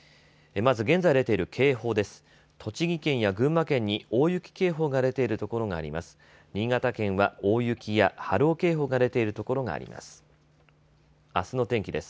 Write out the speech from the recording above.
まず現在、出ている警報です。